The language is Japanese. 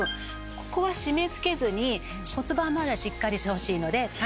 ここは締め付けずに骨盤まわりはしっかりしてほしいので。